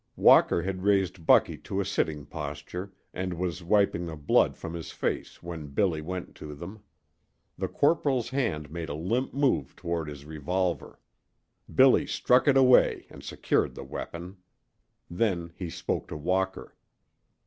Walker had raised Bucky to a sitting posture, and was wiping the blood from his face when Billy went to them. The corporal's hand made a limp move toward his revolver. Billy struck it away and secured the weapon. Then he spoke to Walker.